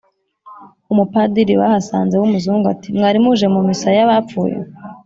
Umupadiri bahasanze w' umuzungu ati: "Mwari muje mu Misa y' abapfuye?